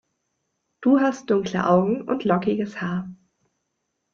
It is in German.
Du hast dunkle Augen und lockiges Haar.